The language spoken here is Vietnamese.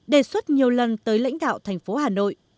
đề xuất nhiều lần tới lãnh đạo thành phố hà nội